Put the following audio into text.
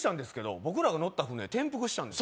僕らが乗った船転覆したんですよ